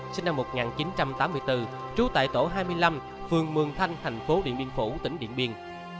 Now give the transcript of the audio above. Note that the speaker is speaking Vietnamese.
sinh năm một nghìn chín trăm tám mươi bốn trú tại tổ hai mươi năm phường mường thanh thành phố điện biên phủ tỉnh điện biên